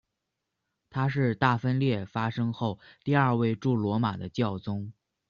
他是大分裂发生后第二位驻罗马的教宗。